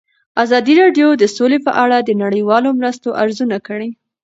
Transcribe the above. ازادي راډیو د سوله په اړه د نړیوالو مرستو ارزونه کړې.